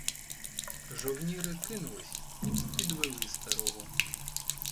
Жовніри кинулись і підвели старого.